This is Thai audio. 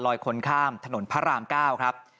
คนข้ามถนนพระราม๙ครับ